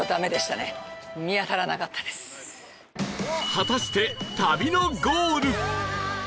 果たして旅のゴール